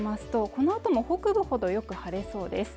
このあとも北部ほどよく晴れそうです